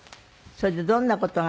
それでどんな事が。